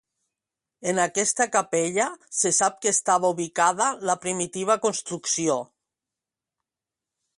En aquesta capella se sap que estava ubicada la primitiva construcció.